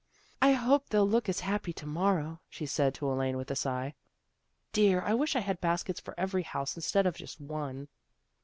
" I hope they'll look as happy to mor row," she said to Elaine with a sigh. " Dear! I wish I had baskets for every house instead of just one."